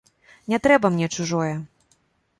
Не трэба мне чужое.